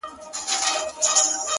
ژوند يې پکي ونغښتی; بيا يې رابرسيره کړ;